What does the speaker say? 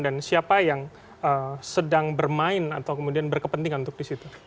dan siapa yang sedang bermain atau kemudian berkepentingan untuk di situ